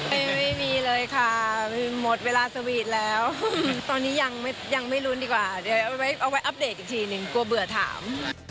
ไม่มีเลยค่ะหมดเวลาสวีทแล้วตอนนี้ยังไม่ลุ้นดีกว่าเดี๋ยวเอาไว้อัปเดตอีกทีหนึ่งกลัวเบื่อถาม